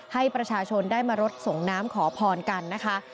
ให้ประชาชนได้มารดส่งน้ำขอพรกันนะคะ